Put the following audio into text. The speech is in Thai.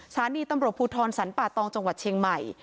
สถานีตำรวจภูทรสรรป่าตองจังหวัดเชียงใหม่